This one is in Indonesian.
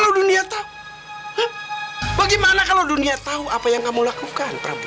jadi aku berusaha juga untuk kukatiri kamu